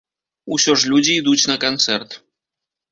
Усё ж людзі ідуць на канцэрт.